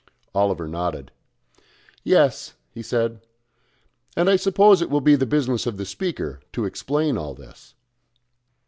Oliver nodded. "Yes," he said. "And I suppose it will be the business of the speaker to explain all this."